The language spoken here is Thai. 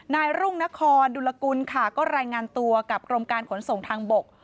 นายรุ่งนครดุลกุลค่ะก็รายงานตัวกับกรมการขนส่งทางบก